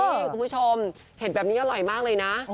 คุณผู้ชมเห็ดแบบนี้อร่อยมากเลยนะ